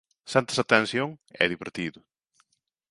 Sentes a tensión? É divertido.